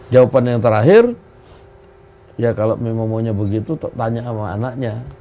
jawaban yang terakhir ya kalau memang maunya begitu tanya sama anaknya